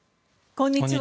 こんにちは。